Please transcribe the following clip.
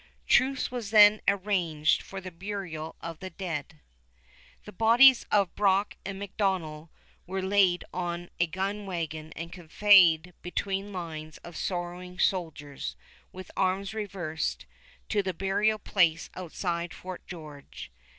Truce was then arranged for the burial of the dead. The bodies of Brock and Macdonnell were laid on a gun wagon and conveyed between lines of sorrowing soldiers, with arms reversed, to the burial place outside Fort George.